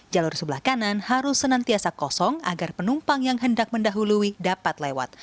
jalur sebelah kanan harus senantiasa kosong agar penumpang yang hendak mendahului dapat lewat